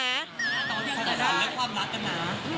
แต่ก็ยังจะได้ความรักกันนะ